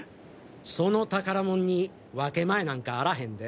その宝物に分け前なんかあらへんで。